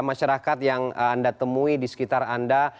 masyarakat yang anda temui di sekitar anda